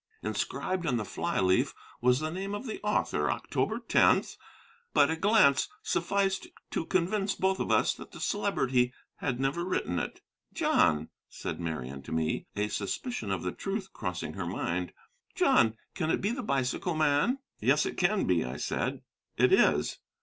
Inscribed on the fly leaf was the name of the author, October 10th. But a glance sufficed to convince both of us that the Celebrity had never written it. "John," said Marian to me, a suspicion of the truth crossing her mind, "John, can it be the bicycle man?" "Yes, it can be," I said; "it is."